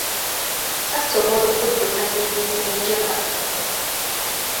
Basobola okuddukanya emirimu egyabatumwa.